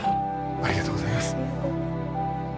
ありがとうございます。